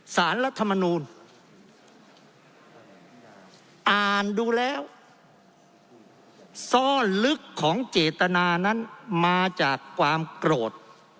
รัฐมนูลอ่านดูแล้วซ่อนลึกของเจตนานั้นมาจากความโกรธ